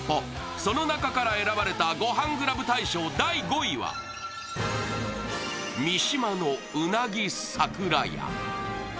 その中から選ばれたごはんクラブ大賞第５位は三島のうなぎ桜家